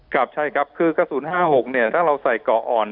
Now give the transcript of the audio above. ครับใช่ครับคือกระสุน๕๖เนี่ยถ้าเราใส่เกาะอ่อน